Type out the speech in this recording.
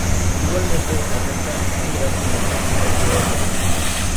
Igualmente acepta miras telescópicas de otras marcas.